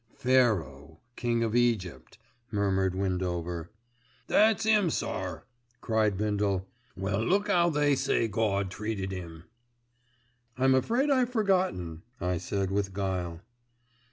'" "Pharaoh, King of Egypt," murmured Windover. "That's 'im, sir," cried Bindle. "Well look 'ow they say Gawd treated 'im." "I'm afraid I've forgotten," I said with guile.